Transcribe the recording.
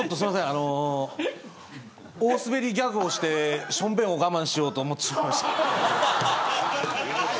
あの大スベリギャグをしてションベンを我慢しようと思ってしまいました。